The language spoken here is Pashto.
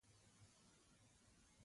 موږ به مخکې وو او نور موټران به راپسې و.